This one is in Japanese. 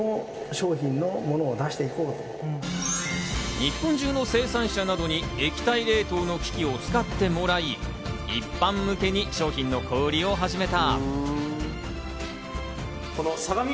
日本中の生産者などに液体冷凍の機器を使ってもらい、一般向けに商品の小売を始めた。